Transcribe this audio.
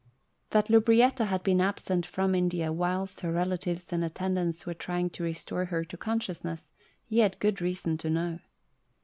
That Lubrietta had been absent from India whilst her relatives and attendants were trying to restore her to consciousness, he had good reason to know.